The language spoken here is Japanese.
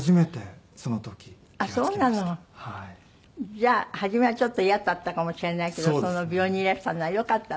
じゃあ初めはちょっと嫌だったかもしれないけどその病院にいらしたのはよかったのね。